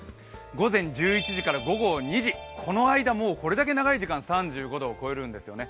午前１１時から午後２時、この間これだけ長い間、３５度を超えるんですね。